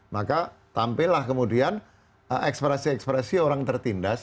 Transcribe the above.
maka tampillah kemudian ekspresi ekspresi orang tertindas